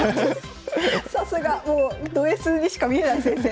さすが！ドＳにしか見えない先生。